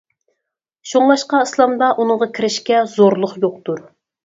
شۇڭلاشقا ئىسلامدا ئۇنىڭغا كىرىشكە زورلۇق يوقتۇر.